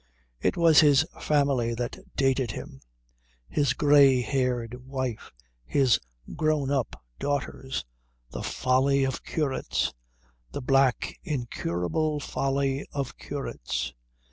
It was his family that dated him: his grey haired wife, his grown up daughters. The folly of curates! The black incurable folly of curates.